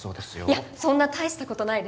いやそんな大したことないです